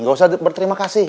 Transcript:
ga usah berterima kasih